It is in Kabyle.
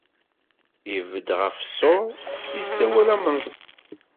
Ibedd ɣef ṣṣur, isawal a Menṣur.